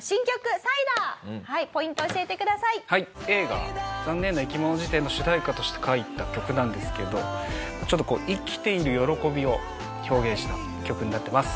『映画ざんねんないきもの事典』の主題歌として書いた曲なんですけどちょっとこう生きている喜びを表現した曲になってます。